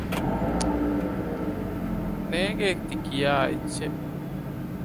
ލިޔުންތެރީން އޭނާއާ ސުވާލުކުރޭ